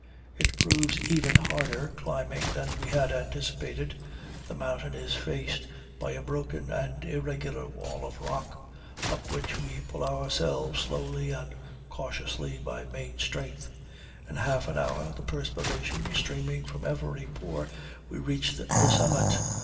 It proves even harder climbing than we had anticipated; the mountain is faced by a broken and irregular wall of rock, up which we pull ourselves slowly and cautiously by main strength. In half an hour, the perspiration streaming from every pore, we reach the summit.